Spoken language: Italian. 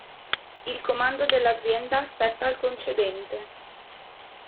Il comando dell'azienda spetta al concedente.